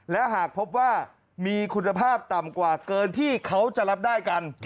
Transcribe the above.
และหากพบว่ามีคุณภาพต่ำกว่าเกินที่เขาจะรับได้กัน